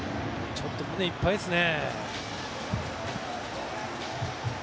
ちょっと胸がいっぱいですね。